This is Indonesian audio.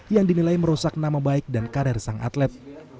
yang dinilai merusak nama baik dan karir sang atlet